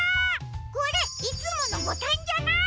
これいつものボタンじゃない！